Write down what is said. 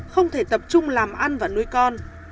không thể tập trung làm ăn và nuôi con